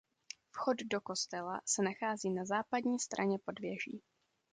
Vchod do kostela se nachází na západní straně pod věží.